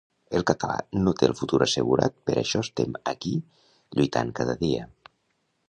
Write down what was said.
El català no té el futur assegurat per això estem aqui lluitant cada dia